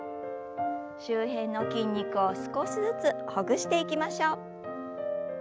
周辺の筋肉を少しずつほぐしていきましょう。